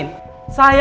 dan disuruh menjaga saya